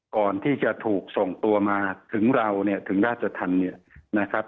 ก่อนที่จะถูกส่งตัวมาถึงเราเนี่ยถึงราชธรรมเนี่ยนะครับ